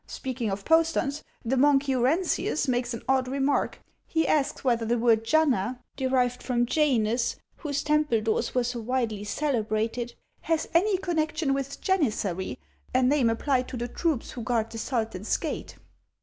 Speaking of posterns, the monk Urensius makes an odd remark ; he asks whether the word janua, derived from Janus, whose temple doors were so widely celebrated, lias any connection with ' Janissary,' a name applied to the troops who guard the sultan's gate.